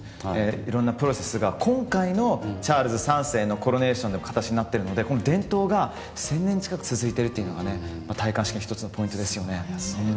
いろんなプロセスが今回のチャールズ３世のコロネーションで形になっているので伝統が１０００年近く続いているのが戴冠式の１つのポイントですね。